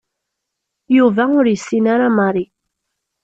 Yuba ur yessin ara Mary.